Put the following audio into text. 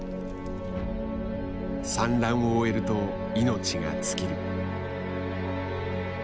産卵を終えると命が尽きる。